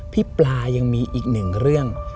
ปลายังมีอีกหนึ่งเรื่อง